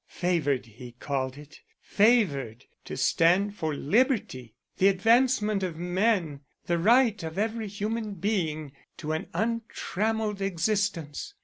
Favored, he called it, favored to stand for liberty, the advancement of men, the right of every human being to an untrammeled existence.